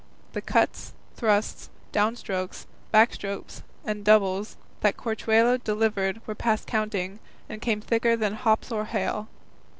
The cuts, thrusts, down strokes, back strokes and doubles, that Corchuelo delivered were past counting, and came thicker than hops or hail.